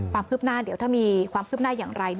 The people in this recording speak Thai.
ความคืบหน้าเดี๋ยวถ้ามีความคืบหน้าอย่างไร